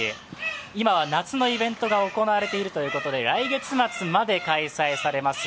今は夏のイベントが行われているということで、来月末まで開催されます。